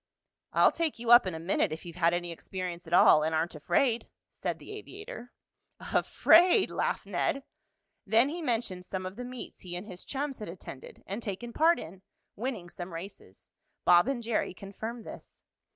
"I'll take you up in a minute if you've had any experience at all, and aren't afraid," said the aviator. "Afraid!" laughed Ned. Then he mentioned some of the meets he and his chums had attended and taken part in, winning some races. Bob and Jerry confirmed this.